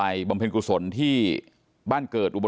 ตลอดทั้งคืนตลอดทั้งคืน